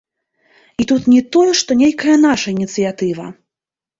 І тут не тое, што нейкая наша ініцыятыва.